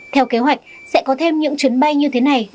theo kế hoạch sẽ có thêm những chuyến bay như thế này